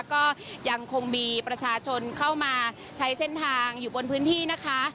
ก็ยังคงมีประชาชนเข้ามาใช้เส้นทางอยู่บนพื้นที่นะคะ